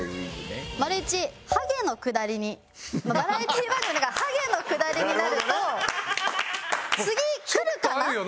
マル１ハゲのくだりにバラエティ番組がハゲのくだりになると「次くるかな？」。